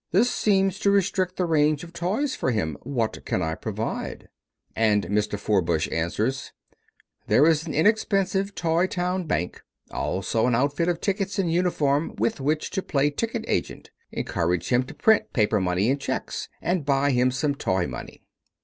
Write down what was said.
This seems to restrict the range of toys for him. What can I provide?" And Mr. Forbush answers: "There is an inexpensive 'toytown bank.' Also an outfit of tickets and uniform with which to play ticket agent. Encourage him to print paper money and checks and buy him some toy money...."